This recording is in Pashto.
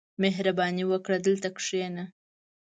• مهرباني وکړه، دلته کښېنه.